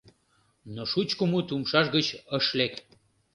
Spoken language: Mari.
Но шучко мут умшаж гыч ыш лек.